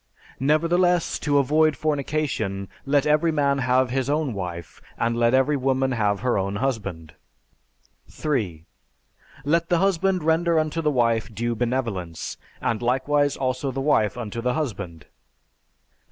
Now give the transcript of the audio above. Nevertheless, to avoid fornication, let every man have his own wife, and let every woman have her own husband. 3. Let the husband render unto the wife due benevolence; and likewise also the wife unto the husband. 4.